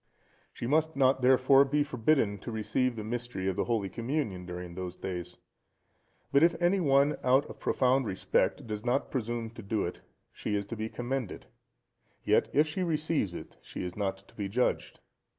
She must not, therefore, be forbidden to receive the Mystery of the Holy Communion during those days. But if any one out of profound respect does not presume to do it, she is to be commended; yet if she receives it, she is not to be judged.